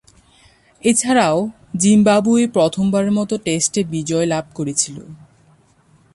এছাড়াও, জিম্বাবুয়ে প্রথমবারের মতো টেস্টে বিজয় লাভ করেছিল।